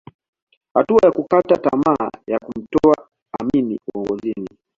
Hatua ya kukata tamaa ya kumtoa Amin uongozini